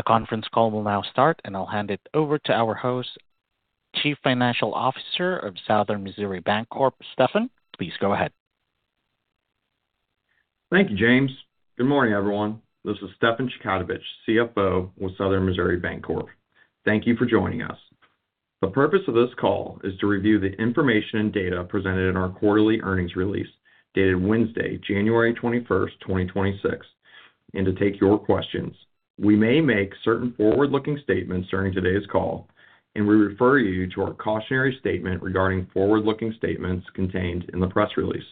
The conference call will now start, and I'll hand it over to our host, Chief Financial Officer of Southern Missouri Bancorp, Stefan. Please go ahead. Thank you, James. Good morning, everyone. This is Stefan Chkautovich, CFO with Southern Missouri Bancorp. Thank you for joining us. The purpose of this call is to review the information and data presented in our quarterly earnings release dated Wednesday, January 21st, 2026, and to take your questions. We may make certain forward-looking statements during today's call, and we refer you to our cautionary statement regarding forward-looking statements contained in the press release.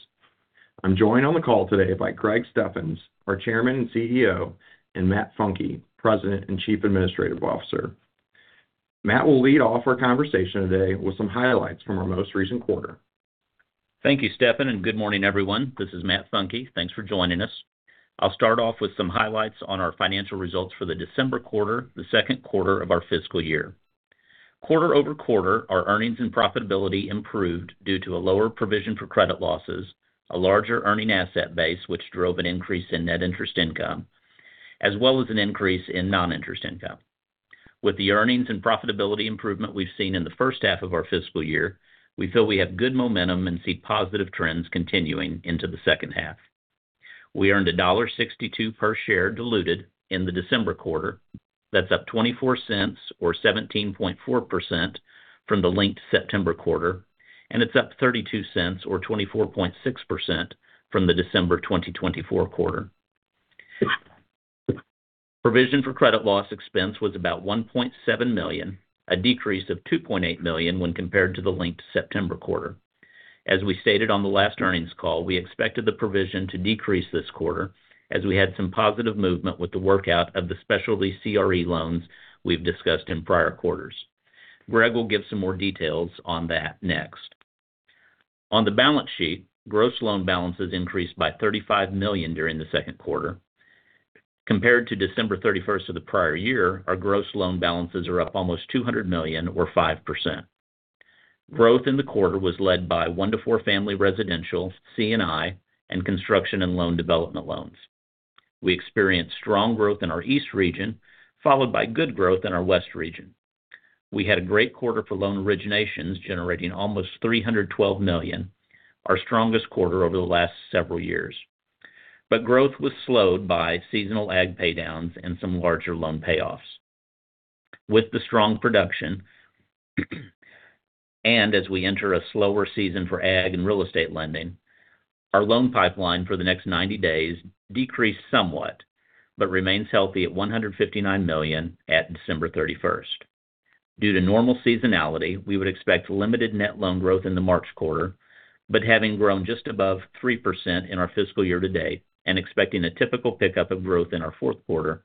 I'm joined on the call today by Greg Steffens, our Chairman and CEO, and Matt Funke, President and Chief Administrative Officer. Matt will lead off our conversation today with some highlights from our most recent quarter. Thank you, Stefan, and good morning, everyone. This is Matt Funke. Thanks for joining us. I'll start off with some highlights on our financial results for the December quarter, the second quarter of our fiscal year. Quarter over quarter, our earnings and profitability improved due to a lower provision for credit losses, a larger earning asset base, which drove an increase in net interest income, as well as an increase in non-interest income. With the earnings and profitability improvement we've seen in the first half of our fiscal year, we feel we have good momentum and see positive trends continuing into the second half. We earned $1.62 per share diluted in the December quarter. That's up $0.24, or 17.4%, from the linked September quarter, and it's up $0.32, or 24.6%, from the December 2024 quarter. Provision for credit loss expense was about $1.7 million, a decrease of $2.8 million when compared to the linked September quarter. As we stated on the last earnings call, we expected the provision to decrease this quarter as we had some positive movement with the workout of the specialty CRE loans we've discussed in prior quarters. Greg will give some more details on that next. On the balance sheet, gross loan balances increased by $35 million during the second quarter. Compared to December 31st of the prior year, our gross loan balances are up almost $200 million, or 5%. Growth in the quarter was led by one-to-four family residential, C&I, and construction and land development loan. We experienced strong growth in our East region, followed by good growth in our West region. We had a great quarter for loan originations, generating almost $312 million, our strongest quarter over the last several years. But growth was slowed by seasonal ag paydowns and some larger loan payoffs. With the strong production and as we enter a slower season for ag and real estate lending, our loan pipeline for the next 90 days decreased somewhat but remains healthy at $159 million at December 31st. Due to normal seasonality, we would expect limited net loan growth in the March quarter, but having grown just above 3% in our fiscal year to date and expecting a typical pickup of growth in our fourth quarter,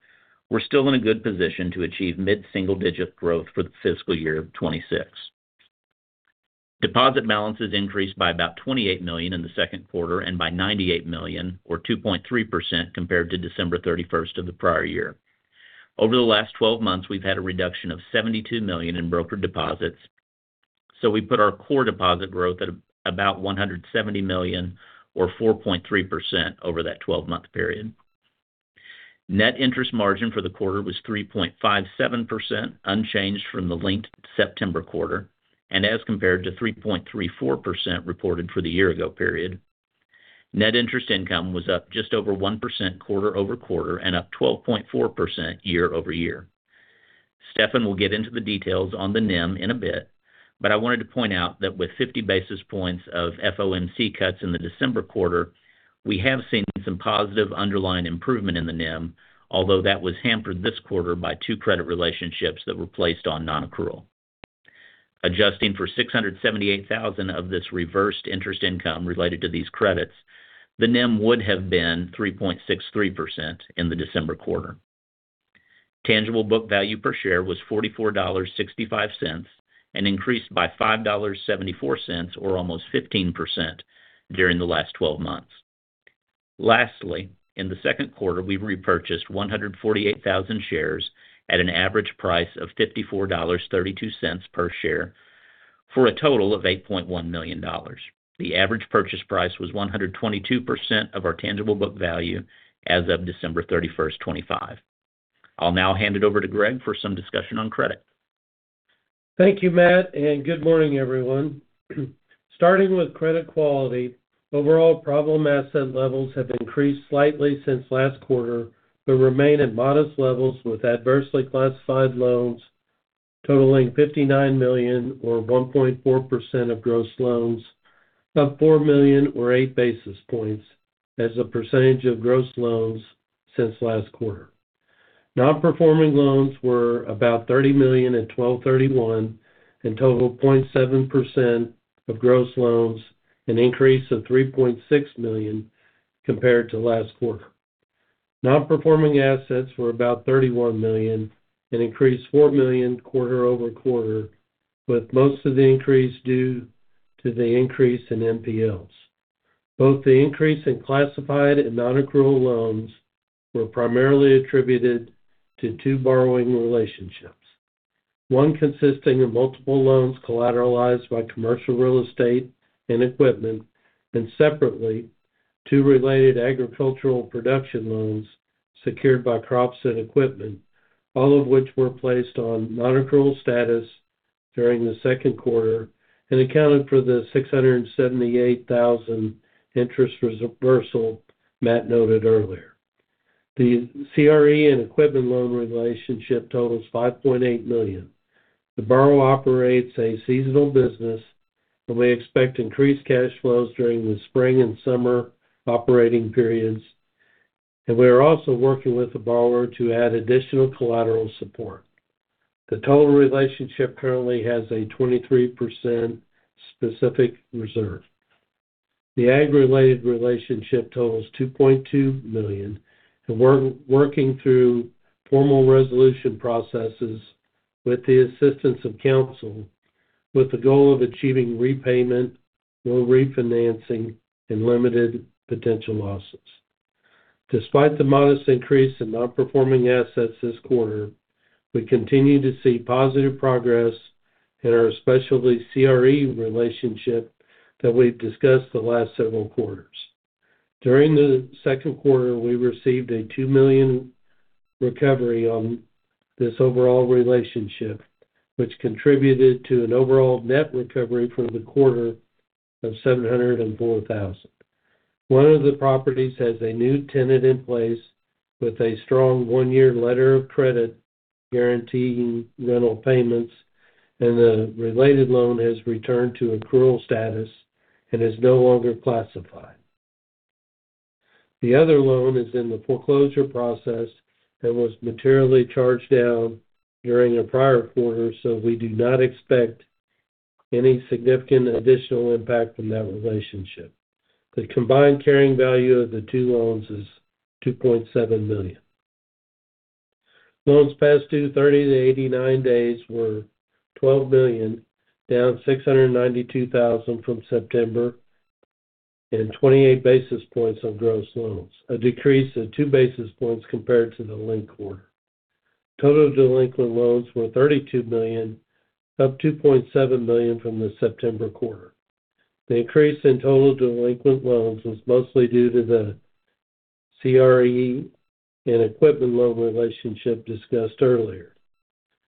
we're still in a good position to achieve mid-single-digit growth for the fiscal year 2026. Deposit balances increased by about $28 million in the second quarter and by $98 million, or 2.3%, compared to December 31st of the prior year. Over the last 12 months, we've had a reduction of $72 million in brokered deposits, so we put our core deposit growth at about $170 million, or 4.3%, over that 12-month period. Net interest margin for the quarter was 3.57%, unchanged from the linked September quarter and as compared to 3.34% reported for the year ago period. Net interest income was up just over 1% quarter over quarter and up 12.4% year over year. Stefan will get into the details on the NIM in a bit, but I wanted to point out that with 50 basis points of FOMC cuts in the December quarter, we have seen some positive underlying improvement in the NIM, although that was hampered this quarter by two credit relationships that were placed on non-accrual. Adjusting for 678,000 of this reversed interest income related to these credits, the NIM would have been 3.63% in the December quarter. Tangible book value per share was $44.65 and increased by $5.74, or almost 15%, during the last 12 months. Lastly, in the second quarter, we repurchased 148,000 shares at an average price of $54.32 per share for a total of $8.1 million. The average purchase price was 122% of our tangible book value as of December 31st, 2025. I'll now hand it over to Greg for some discussion on credit. Thank you, Matt, and good morning, everyone. Starting with credit quality, overall problem asset levels have increased slightly since last quarter but remain at modest levels with adversely classified loans totaling $59 million, or 1.4% of gross loans, up $4 million, or 8 basis points as a percentage of gross loans since last quarter. Non-performing loans were about $30 million at 12/31 and totaled 0.7% of gross loans, an increase of $3.6 million compared to last quarter. Non-performing assets were about $31 million and increased $4 million quarter over quarter, with most of the increase due to the increase in NPLs. Both the increase in classified and non-accrual loans were primarily attributed to two borrowing relationships, one consisting of multiple loans collateralized by commercial real estate and equipment, and separately, two related agricultural production loans secured by crops and equipment, all of which were placed on non-accrual status during the second quarter and accounted for the $678,000 interest reversal Matt noted earlier. The CRE and equipment loan relationship totals $5.8 million. The borrower operates a seasonal business, and we expect increased cash flows during the spring and summer operating periods, and we are also working with the borrower to add additional collateral support. The total relationship currently has a 23% specific reserve. The ag-related relationship totals $2.2 million and we're working through formal resolution processes with the assistance of counsel with the goal of achieving repayment, loan refinancing, and limited potential losses. Despite the modest increase in non-performing assets this quarter, we continue to see positive progress in our specialty CRE relationship that we've discussed the last several quarters. During the second quarter, we received a $2 million recovery on this overall relationship, which contributed to an overall net recovery for the quarter of $704,000. One of the properties has a new tenant in place with a strong one-year letter of credit guaranteeing rental payments, and the related loan has returned to accrual status and is no longer classified. The other loan is in the foreclosure process and was materially charged down during a prior quarter, so we do not expect any significant additional impact from that relationship. The combined carrying value of the two loans is $2.7 million. Loans past due 30 to 89 days were 12 million, down 692,000 from September, and 28 basis points on gross loans, a decrease of 2 basis points compared to the linked quarter. Total delinquent loans were 32 million, up 2.7 million from the September quarter. The increase in total delinquent loans was mostly due to the CRE and equipment loan relationship discussed earlier.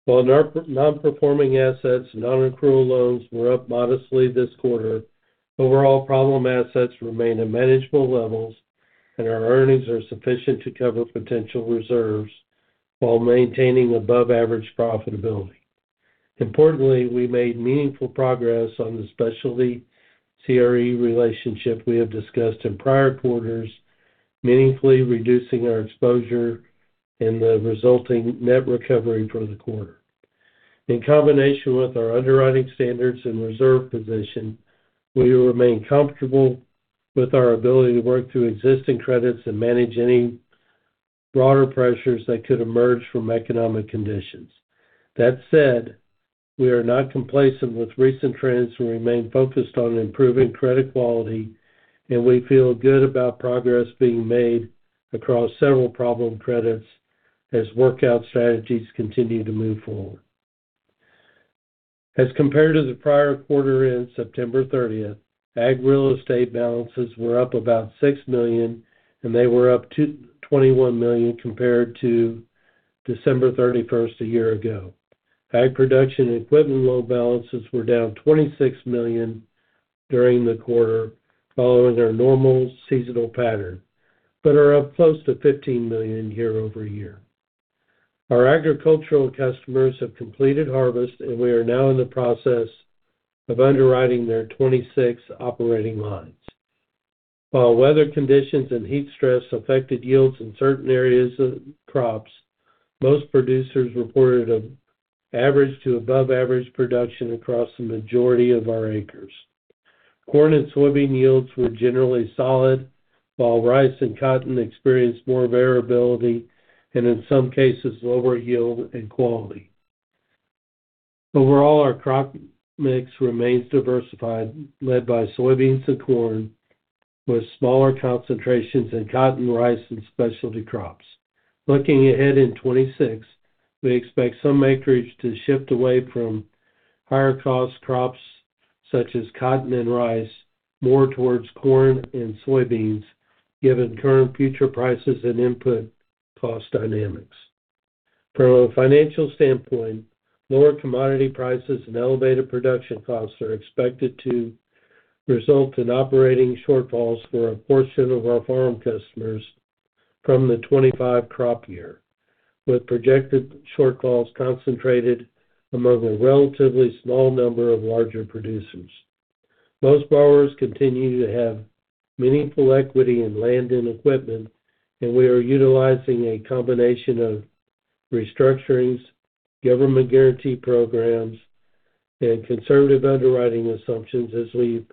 While non-performing assets and non-accrual loans were up modestly this quarter, overall problem assets remain at manageable levels, and our earnings are sufficient to cover potential reserves while maintaining above-average profitability. Importantly, we made meaningful progress on the specialty CRE relationship we have discussed in prior quarters, meaningfully reducing our exposure and the resulting net recovery for the quarter. In combination with our underwriting standards and reserve position, we remain comfortable with our ability to work through existing credits and manage any broader pressures that could emerge from economic conditions. That said, we are not complacent with recent trends and remain focused on improving credit quality, and we feel good about progress being made across several problem credits as workout strategies continue to move forward. As compared to the prior quarter end, September 30th, ag real estate balances were up about $6 million, and they were up $21 million compared to December 31st a year ago. Ag production and equipment loan balances were down $26 million during the quarter, following our normal seasonal pattern, but are up close to $15 million year over year. Our agricultural customers have completed harvest, and we are now in the process of underwriting their 2026 operating lines. While weather conditions and heat stress affected yields in certain areas of crops, most producers reported an average to above-average production across the majority of our acres. Corn and soybean yields were generally solid, while rice and cotton experienced more variability and, in some cases, lower yield and quality. Overall, our crop mix remains diversified, led by soybeans and corn, with smaller concentrations in cotton, rice, and specialty crops. Looking ahead in 2026, we expect some acreage to shift away from higher-cost crops such as cotton and rice more towards corn and soybeans, given current future prices and input cost dynamics. From a financial standpoint, lower commodity prices and elevated production costs are expected to result in operating shortfalls for a portion of our farm customers from the 2025 crop year, with projected shortfalls concentrated among a relatively small number of larger producers. Most borrowers continue to have meaningful equity in land and equipment, and we are utilizing a combination of restructurings, government guarantee programs, and conservative underwriting assumptions as we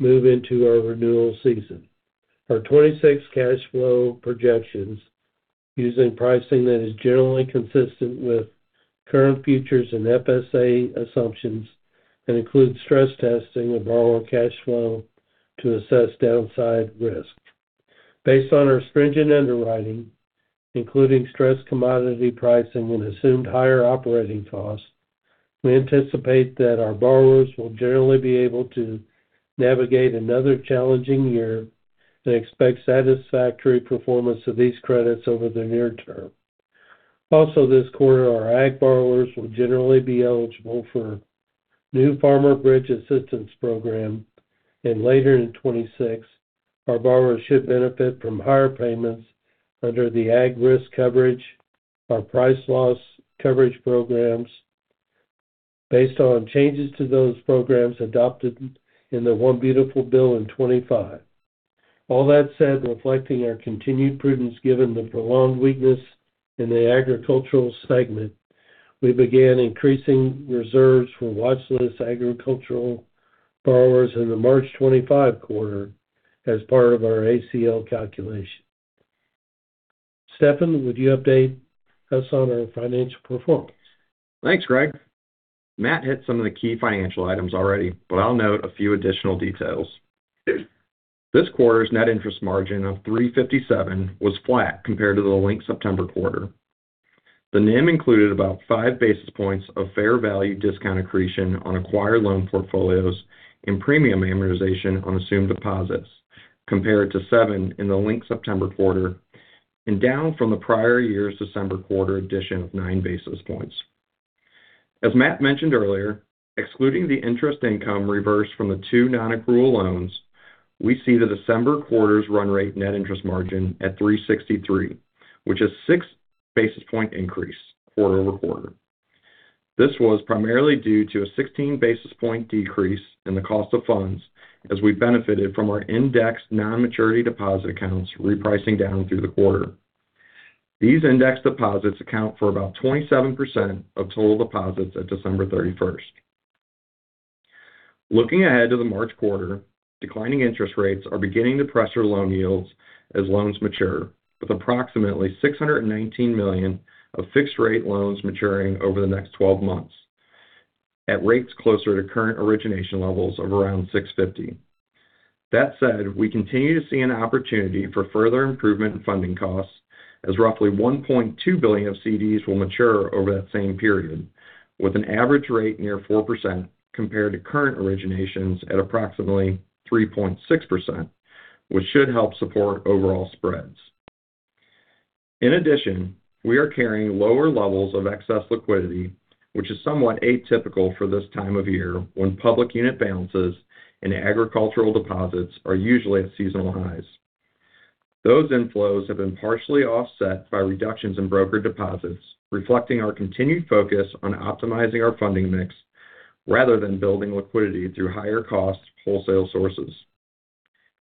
move into our renewal season. Our 2026 cash flow projections use pricing that is generally consistent with current futures and FSA assumptions and include stress testing of borrower cash flow to assess downside risk. Based on our stringent underwriting, including stress commodity pricing and assumed higher operating costs, we anticipate that our borrowers will generally be able to navigate another challenging year and expect satisfactory performance of these credits over the near term. Also, this quarter, our ag borrowers will generally be eligible for new farmer bridge assistance program, and later in 2026, our borrowers should benefit from higher payments under the Ag Risk Coverage or Price Loss Coverage programs based on changes to those programs adopted in the Omnibus Bill in 2025. All that said, reflecting our continued prudence given the prolonged weakness in the agricultural segment, we began increasing reserves for watch list agricultural borrowers in the March 2025 quarter as part of our ACL calculation. Stefan, would you update us on our financial performance? Thanks, Greg. Matt hit some of the key financial items already, but I'll note a few additional details. This quarter's net interest margin of 3.57 was flat compared to the linked September quarter. The NIM included about 5 basis points of fair value discount accretion on acquired loan portfolios and premium amortization on assumed deposits compared to 7 in the linked September quarter and down from the prior year's December quarter addition of 9 basis points. As Matt mentioned earlier, excluding the interest income reversed from the two non-accrual loans, we see the December quarter's run rate net interest margin at 3.63, which is a 6 basis point increase quarter over quarter. This was primarily due to a 16 basis point decrease in the cost of funds as we benefited from our indexed non-maturity deposit accounts repricing down through the quarter. These indexed deposits account for about 27% of total deposits at December 31st. Looking ahead to the March quarter, declining interest rates are beginning to pressure loan yields as loans mature, with approximately $619 million of fixed-rate loans maturing over the next 12 months at rates closer to current origination levels of around 6.50%. That said, we continue to see an opportunity for further improvement in funding costs as roughly $1.2 billion of CDs will mature over that same period, with an average rate near 4% compared to current originations at approximately 3.6%, which should help support overall spreads. In addition, we are carrying lower levels of excess liquidity, which is somewhat atypical for this time of year when public unit balances and agricultural deposits are usually at seasonal highs. Those inflows have been partially offset by reductions in brokered deposits, reflecting our continued focus on optimizing our funding mix rather than building liquidity through higher-cost wholesale sources.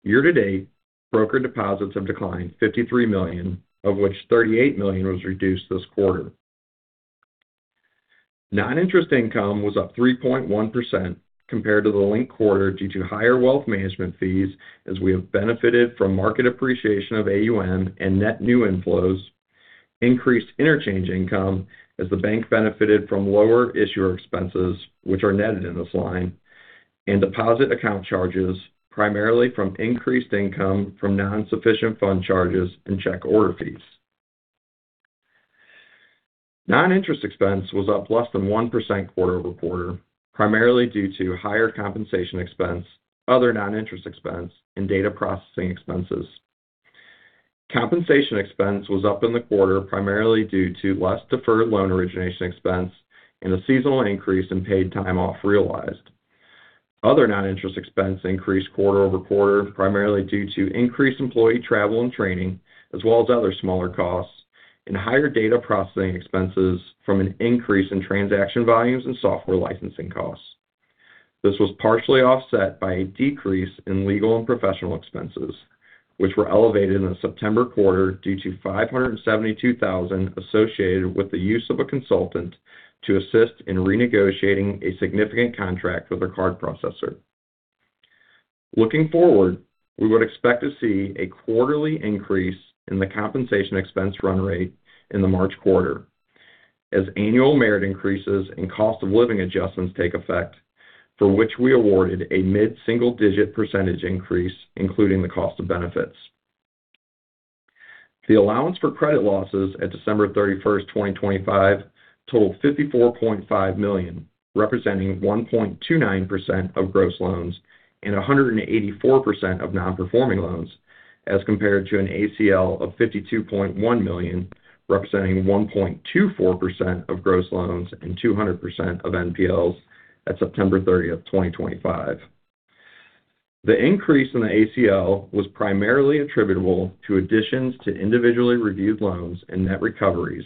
Year to date, brokered deposits have declined $53 million, of which $38 million was reduced this quarter. Non-interest income was up 3.1% compared to the linked quarter due to higher wealth management fees as we have benefited from market appreciation of AUM and net new inflows, increased interchange income as the bank benefited from lower issuer expenses, which are netted in this line, and deposit account charges primarily from increased income from non-sufficient fund charges and check order fees. Non-interest expense was up less than 1% quarter over quarter, primarily due to higher compensation expense, other non-interest expense, and data processing expenses. Compensation expense was up in the quarter primarily due to less deferred loan origination expense and a seasonal increase in paid time off realized. Other non-interest expense increased quarter over quarter primarily due to increased employee travel and training, as well as other smaller costs, and higher data processing expenses from an increase in transaction volumes and software licensing costs. This was partially offset by a decrease in legal and professional expenses, which were elevated in the September quarter due to $572,000 associated with the use of a consultant to assist in renegotiating a significant contract with a card processor. Looking forward, we would expect to see a quarterly increase in the compensation expense run rate in the March quarter as annual merit increases and cost of living adjustments take effect, for which we awarded a mid-single-digit % increase, including the cost of benefits. The allowance for credit losses at December 31st, 2025, totaled $54.5 million, representing 1.29% of gross loans and 184% of non-performing loans, as compared to an ACL of $52.1 million, representing 1.24% of gross loans and 200% of NPLs at September 30th, 2025. The increase in the ACL was primarily attributable to additions to individually reviewed loans and net recoveries,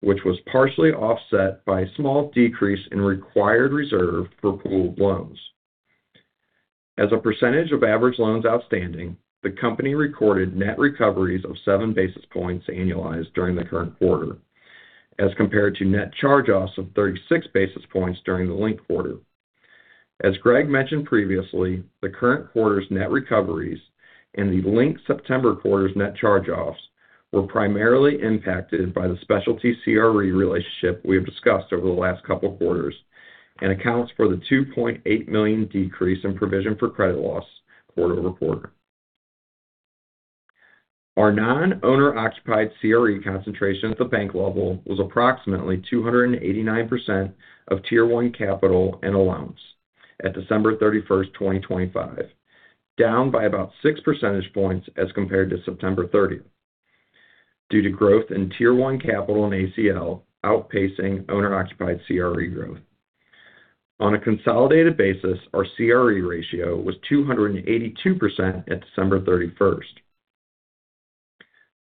which was partially offset by a small decrease in required reserve for pooled loans. As a percentage of average loans outstanding, the company recorded net recoveries of 7 basis points annualized during the current quarter, as compared to net charge-offs of 36 basis points during the linked quarter. As Greg mentioned previously, the current quarter's net recoveries and the linked September quarter's net charge-offs were primarily impacted by the specialty CRE relationship we have discussed over the last couple of quarters and accounts for the $2.8 million decrease in provision for credit losses quarter over quarter. Our non-owner-occupied CRE concentration at the bank level was approximately 289% of Tier 1 Capital and allowance at December 31st, 2025, down by about 6 percentage points as compared to September 30th due to growth in Tier 1 Capital and ACL outpacing owner-occupied CRE growth. On a consolidated basis, our CRE ratio was 282% at December 31st.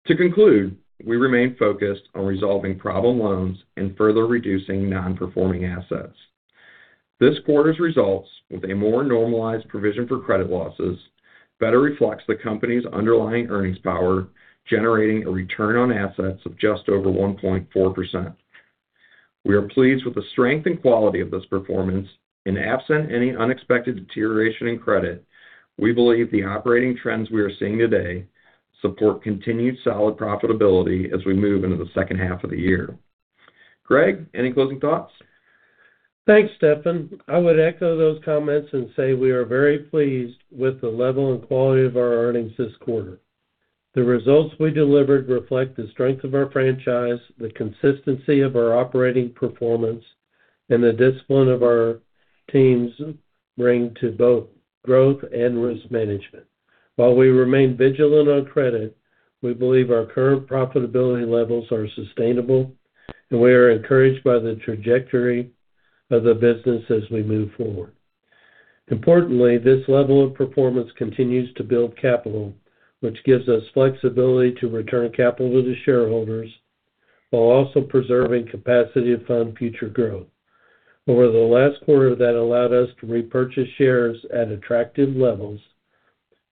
To conclude, we remain focused on resolving problem loans and further reducing non-performing assets. This quarter's results, with a more normalized provision for credit losses, better reflects the company's underlying earnings power, generating a return on assets of just over 1.4%. We are pleased with the strength and quality of this performance. In the absence of any unexpected deterioration in credit, we believe the operating trends we are seeing today support continued solid profitability as we move into the second half of the year. Greg, any closing thoughts? Thanks, Stefan. I would echo those comments and say we are very pleased with the level and quality of our earnings this quarter. The results we delivered reflect the strength of our franchise, the consistency of our operating performance, and the discipline of our teams bring to both growth and risk management. While we remain vigilant on credit, we believe our current profitability levels are sustainable, and we are encouraged by the trajectory of the business as we move forward. Importantly, this level of performance continues to build capital, which gives us flexibility to return capital to shareholders while also preserving capacity to fund future growth. Over the last quarter, that allowed us to repurchase shares at attractive levels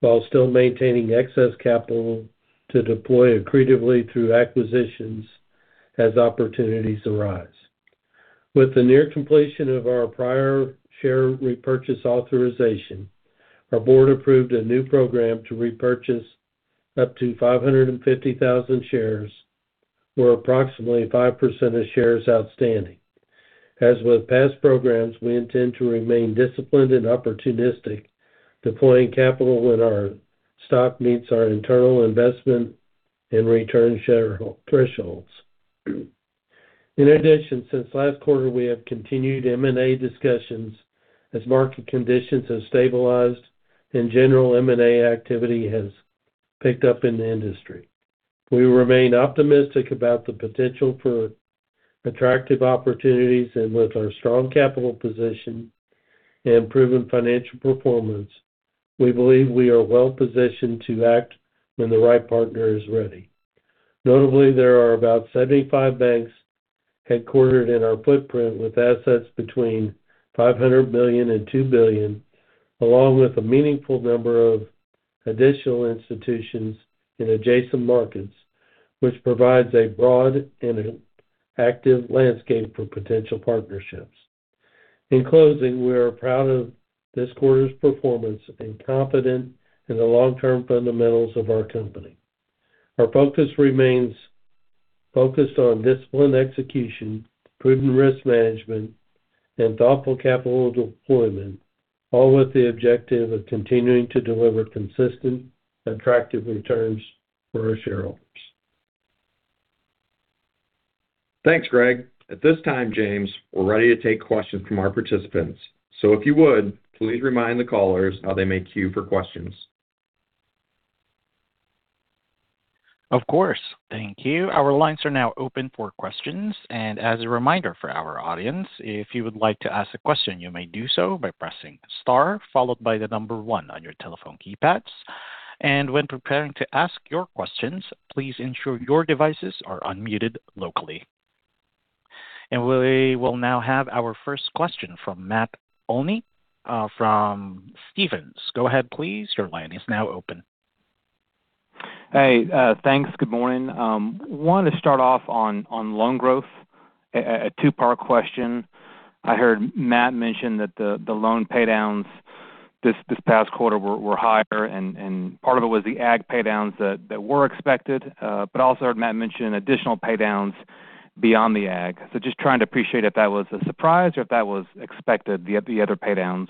while still maintaining excess capital to deploy accretively through acquisitions as opportunities arise. With the near completion of our prior share repurchase authorization, our board approved a new program to repurchase up to 550,000 shares, where approximately 5% of shares outstanding. As with past programs, we intend to remain disciplined and opportunistic, deploying capital when our stock meets our internal investment and return thresholds. In addition, since last quarter, we have continued M&A discussions as market conditions have stabilized and general M&A activity has picked up in the industry. We remain optimistic about the potential for attractive opportunities, and with our strong capital position and proven financial performance, we believe we are well positioned to act when the right partner is ready. Notably, there are about 75 banks headquartered in our footprint with assets between 500 million and 2 billion, along with a meaningful number of additional institutions in adjacent markets, which provides a broad and active landscape for potential partnerships. In closing, we are proud of this quarter's performance and confident in the long-term fundamentals of our company. Our focus remains focused on disciplined execution, prudent risk management, and thoughtful capital deployment, all with the objective of continuing to deliver consistent, attractive returns for our shareholders. Thanks, Greg. At this time, James, we're ready to take questions from our participants. So if you would, please remind the callers how they may queue for questions. Of course. Thank you. Our lines are now open for questions. And as a reminder for our audience, if you would like to ask a question, you may do so by pressing the star followed by the number one on your telephone keypads. And when preparing to ask your questions, please ensure your devices are unmuted locally. And we will now have our first question from Matt Olney from Stephens. Go ahead, please. Your line is now open. Hey, thanks. Good morning. I want to start off on loan growth. A two-part question. I heard Matt mention that the loan paydowns this past quarter were higher, and part of it was the ag paydowns that were expected, but also heard Matt mention additional paydowns beyond the ag. So just trying to appreciate if that was a surprise or if that was expected, the other paydowns.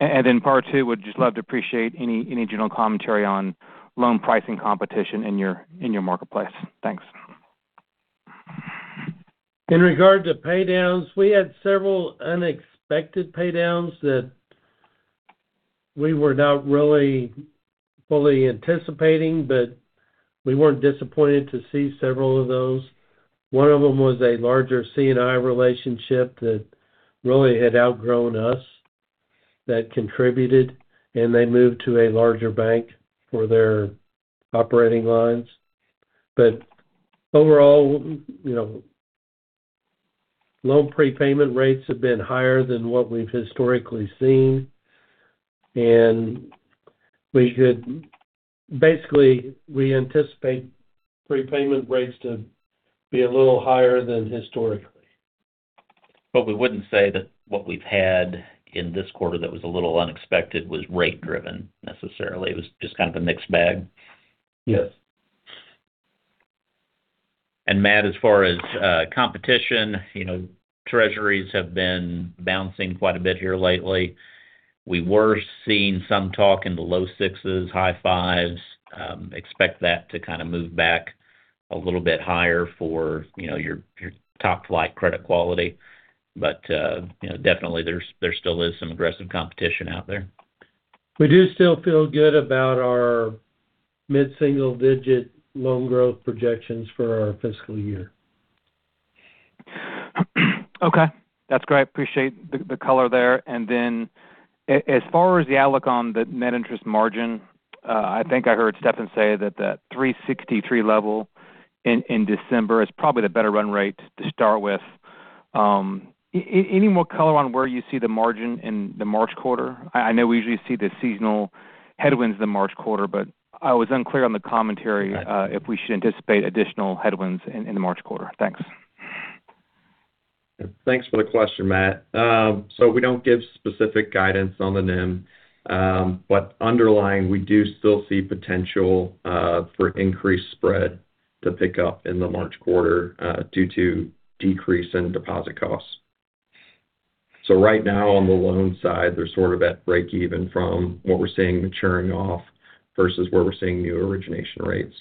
And then part two, would just love to appreciate any general commentary on loan pricing competition in your marketplace. Thanks. In regard to paydowns, we had several unexpected paydowns that we were not really fully anticipating, but we weren't disappointed to see several of those. One of them was a larger C&I relationship that really had outgrown us that contributed, and they moved to a larger bank for their operating lines, but overall, loan prepayment rates have been higher than what we've historically seen, and basically, we anticipate prepayment rates to be a little higher than historically. But we wouldn't say that what we've had in this quarter that was a little unexpected was rate-driven necessarily. It was just kind of a mixed bag. Yes. Matt, as far as competition, treasuries have been bouncing quite a bit here lately. We were seeing some talk in the low sixes and high fives. Expect that to kind of move back a little bit higher for your top-flight credit quality. But definitely, there still is some aggressive competition out there. We do still feel good about our mid-single-digit loan growth projections for our fiscal year. Okay. That's great. Appreciate the color there. And then as far as the outlook on the net interest margin, I think I heard Stefan say that that 363 level in December is probably the better run rate to start with. Any more color on where you see the margin in the March quarter? I know we usually see the seasonal headwinds in the March quarter, but I was unclear on the commentary if we should anticipate additional headwinds in the March quarter. Thanks. Thanks for the question, Matt. So we don't give specific guidance on the NIM, but underlying, we do still see potential for increased spread to pick up in the March quarter due to decrease in deposit costs. So right now, on the loan side, they're sort of at break-even from what we're seeing maturing off versus where we're seeing new origination rates.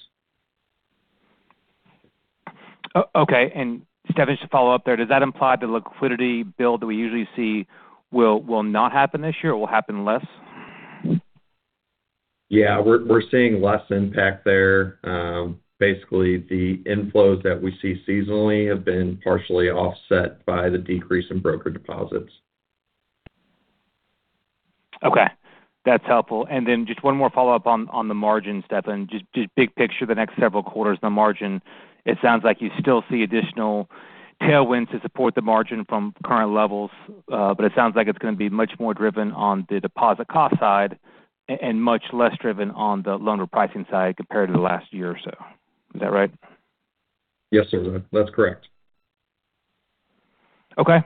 Okay. And Stefan, just to follow up there, does that imply the liquidity build that we usually see will not happen this year? It will happen less? Yeah. We're seeing less impact there. Basically, the inflows that we see seasonally have been partially offset by the decrease in brokered deposits. Okay. That's helpful. And then just one more follow-up on the margin, Stefan. Just big picture, the next several quarters, the margin, it sounds like you still see additional tailwinds to support the margin from current levels, but it sounds like it's going to be much more driven on the deposit cost side and much less driven on the loan pricing side compared to the last year or so. Is that right? Yes, sir. That's correct. Okay.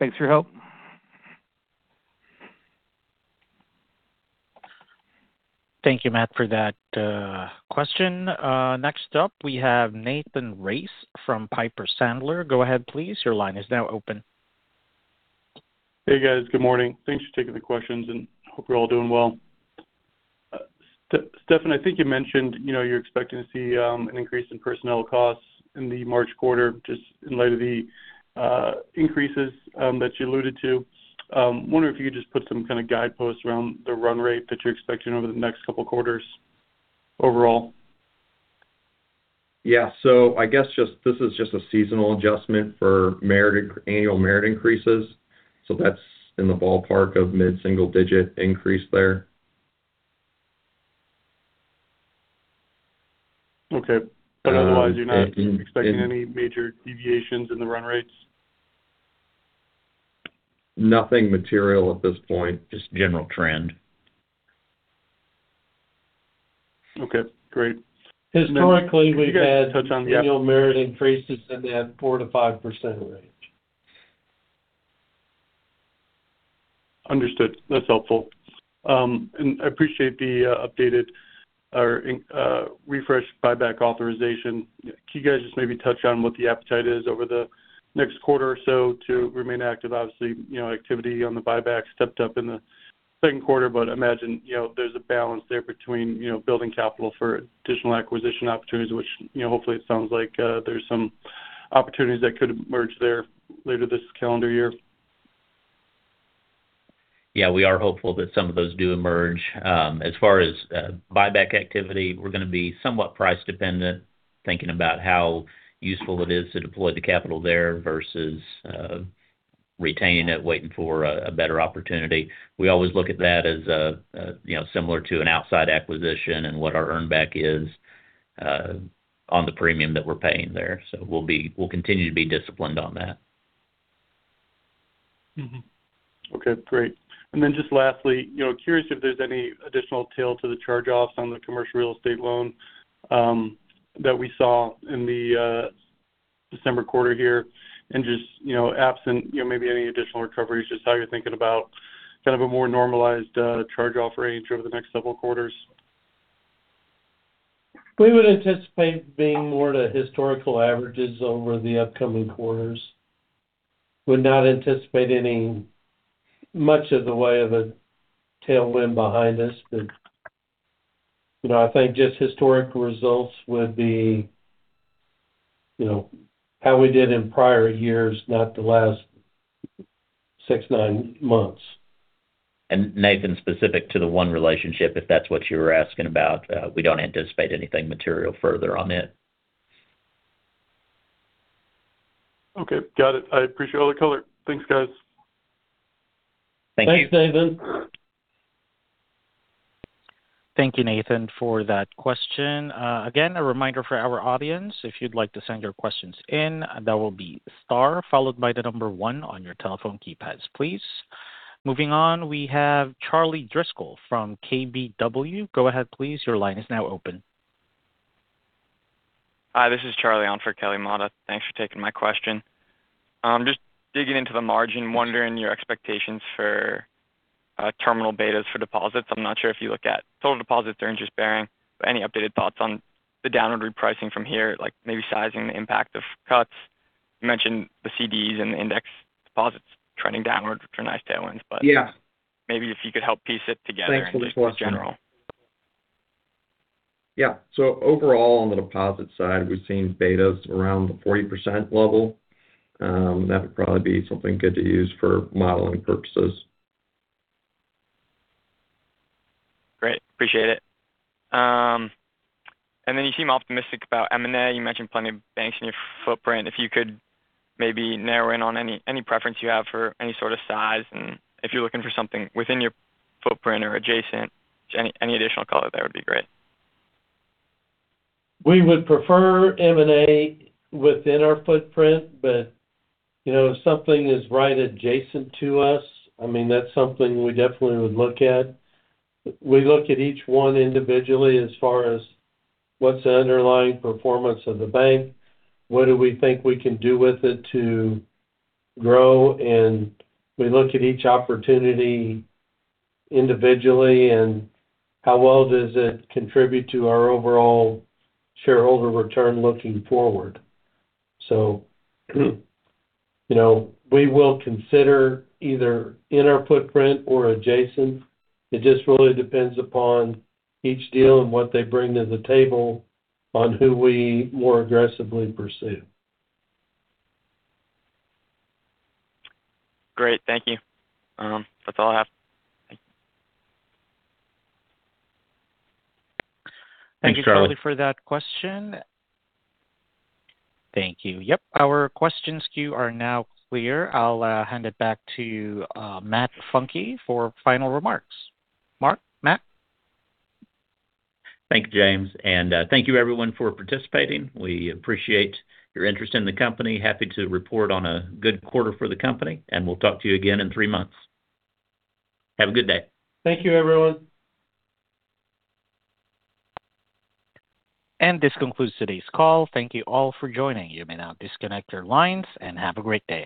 Thanks for your help. Thank you, Matt, for that question. Next up, we have Nathan Race from Piper Sandler. Go ahead, please. Your line is now open. Hey, guys. Good morning. Thanks for taking the questions, and hope you're all doing well. Stefan, I think you mentioned you're expecting to see an increase in personnel costs in the March quarter just in light of the increases that you alluded to. I wonder if you could just put some kind of guideposts around the run rate that you're expecting over the next couple of quarters overall. Yeah. So I guess this is just a seasonal adjustment for annual merit increases, so that's in the ballpark of mid-single-digit increase there. Okay. But otherwise, you're not expecting any major deviations in the run rates? Nothing material at this point. Just general trend. Okay. Great. Historically, we've had. Touch on the annual merit increases in that 4%-5% range. Understood. That's helpful. And I appreciate the updated or refreshed buyback authorization. Can you guys just maybe touch on what the appetite is over the next quarter or so to remain active? Obviously, activity on the buyback stepped up in the second quarter, but imagine there's a balance there between building capital for additional acquisition opportunities, which hopefully it sounds like there's some opportunities that could emerge there later this calendar year. Yeah. We are hopeful that some of those do emerge. As far as buyback activity, we're going to be somewhat price-dependent, thinking about how useful it is to deploy the capital there versus retaining it, waiting for a better opportunity. We always look at that as similar to an outside acquisition and what our earn back is on the premium that we're paying there. So we'll continue to be disciplined on that. Okay. Great. And then just lastly, curious if there's any additional tail to the charge-offs on the commercial real estate loan that we saw in the December quarter here? And just absent maybe any additional recoveries, just how you're thinking about kind of a more normalized charge-off range over the next several quarters? We would anticipate being more to historical averages over the upcoming quarters. We would not anticipate much in the way of a tailwind behind us, but I think just historic results would be how we did in prior years, not the last six, nine months. Nathan, specific to the one relationship, if that's what you were asking about, we don't anticipate anything material further on it. Okay. Got it. I appreciate all the color. Thanks, guys. Thank you. Thanks, Nathan. Thank you, Nathan, for that question. Again, a reminder for our audience, if you'd like to send your questions in, that will be star followed by the number one on your telephone keypads, please. Moving on, we have Charlie Driscoll from KBW. Go ahead, please. Your line is now open. Hi. This is Charlie on for Kelly Motta. Thanks for taking my question. Just digging into the margin, wondering your expectations for terminal betas for deposits. I'm not sure if you look at total deposits or interest bearing, but any updated thoughts on the downward repricing from here, like maybe sizing the impact of cuts? You mentioned the CDs and the index deposits trending downward, which are nice tailwinds, but maybe if you could help piece it together in just general. Yeah. So overall, on the deposit side, we've seen betas around the 40% level. That would probably be something good to use for modeling purposes. Great. Appreciate it. And then you seem optimistic about M&A. You mentioned plenty of banks in your footprint. If you could maybe narrow in on any preference you have for any sort of size, and if you're looking for something within your footprint or adjacent to any additional color, that would be great. We would prefer M&A within our footprint, but if something is right adjacent to us, I mean, that's something we definitely would look at. We look at each one individually as far as what's the underlying performance of the bank, what do we think we can do with it to grow, and we look at each opportunity individually and how well does it contribute to our overall shareholder return looking forward. So we will consider either in our footprint or adjacent. It just really depends upon each deal and what they bring to the table on who we more aggressively pursue. Great. Thank you. That's all I have. Thank you. Thank you, Charlie, for that question. Thank you. Yep. Our question queue is now clear. I'll hand it back to Matt Funke for final remarks. Mark? Matt? Thank you, James. And thank you, everyone, for participating. We appreciate your interest in the company. Happy to report on a good quarter for the company, and we'll talk to you again in three months. Have a good day. Thank you, everyone. This concludes today's call. Thank you all for joining. You may now disconnect your lines and have a great day.